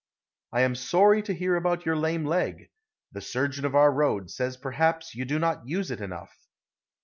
I am sorry to hear about your lame leg. The surgeon of our road says perhaps you do not use it enough.